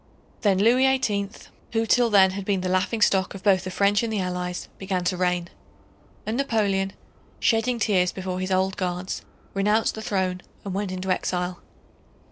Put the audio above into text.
Then Louis XVIII, who till then had been the laughingstock both of the French and the Allies, began to reign. And Napoleon, shedding tears before his Old Guards, renounced the throne and went into exile.